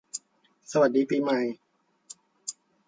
สวัสดีปีใหม่